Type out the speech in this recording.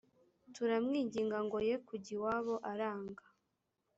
turamwinginga ngo ye kujya iwabo aranga